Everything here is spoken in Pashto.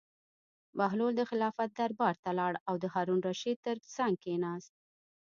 بهلول د خلافت دربار ته لاړ او د هارون الرشید تر څنګ کېناست.